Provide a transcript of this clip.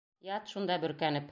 Ят шунда бөркәнеп!